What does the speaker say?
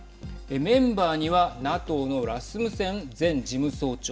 メンバーにはＮＡＴＯのラスムセン前事務総長。